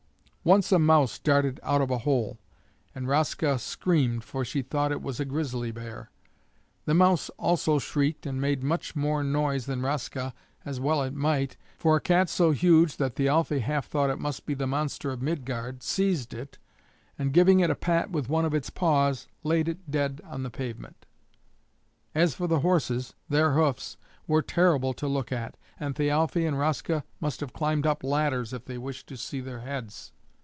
Once a mouse darted out of a hole, and Raska screamed, for she thought it was a grisly bear. The mouse also shrieked and made much more noise than Raska, as well it might, for a cat so huge that Thialfe half thought it must be the monster of Midgard seized it, and giving it a pat with one of its paws laid it dead on the pavement. As for the horses, their hoofs were terrible to look at, and Thialfe and Raska must have climbed up ladders if they wished to see their heads.